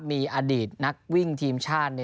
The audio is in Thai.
มีอดีตนักวิ่งทีมชาติ